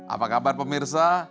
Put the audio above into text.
apa kabar pemirsa